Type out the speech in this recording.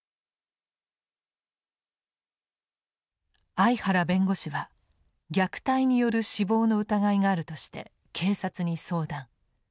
相原弁護士は虐待による死亡の疑いがあるとして警察に相談。